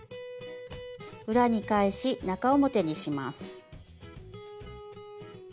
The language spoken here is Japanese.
裏に返し中表にします。